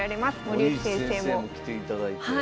森内先生も来ていただいて。